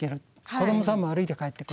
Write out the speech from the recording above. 子どもさんも歩いて帰ってくる？